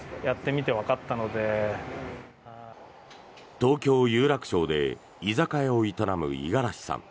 東京・有楽町で居酒屋を営む五十嵐さん。